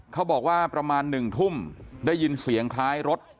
เขาบอกว่าประมาณ๑ทุ่มได้ยินเสียงคล้ายรถ